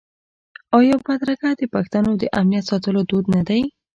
آیا بدرګه د پښتنو د امنیت ساتلو دود نه دی؟